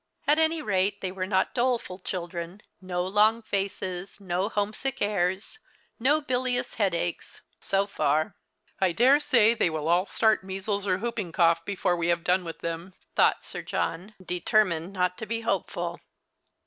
At any rate they were not doleful children — no long faces, no homesick airs, no bilious headaches — so far. " I dare say they will all start measles or whooping The Christmas Hieelings. 103 cough before we have done with them," thought >Sir John, determined not to he hopeful.